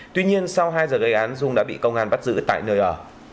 tuy nhiên sau hai giờ gây án dung đã bị công an bắt giữ tại nơi ở